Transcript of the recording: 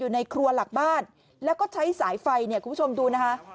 ในครัวหลักบ้านแล้วก็ใช้สายไฟเนี่ยคุณผู้ชมดูนะคะ